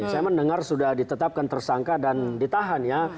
saya mendengar sudah ditetapkan tersangka dan ditahan ya